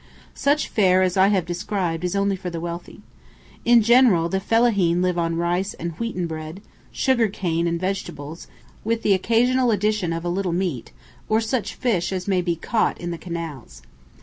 Such fare as I have described is only for the wealthy. In general the "fellahīn" live on rice and wheaten bread, sugar cane, and vegetables, with the occasional addition of a little meat, or such fish as may be caught in the canals.